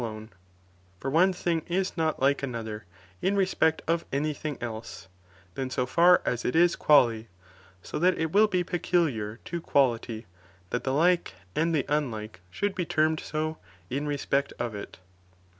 *" alouc, for ouc thing is not like another in respect of any thing else, than so far as it is quale, so that it will be peculiar to quality, that the like and the unlike should be termed so in respect of it.